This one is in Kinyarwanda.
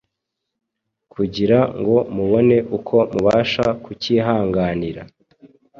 kugira ngo mubone uko mubasha kucyihanganira